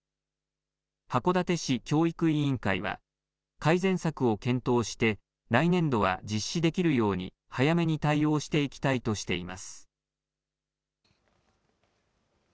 函館市教育委員会は改善策を検討して来年度は実施できるように早めに対応していきたいとしています。